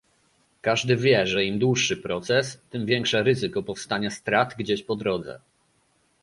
Każdy wie, że im dłuższy proces, tym większe ryzyko powstania strat gdzieś po drodze